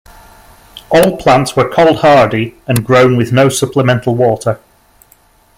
All plants were cold-hardy and grown with no supplemental water.